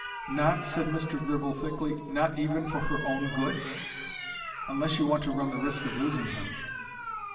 "Not," said Mr. Gribble, thickly—"not even for her own good?" "Unless you want to run the risk of losing her."